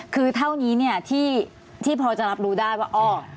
คือเท่านี้ที่พ่อจะรับรู้ได้ว่า